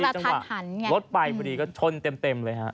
จังหวะรถไปพอดีก็ชนเต็มเลยฮะ